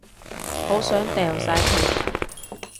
好想掉晒佢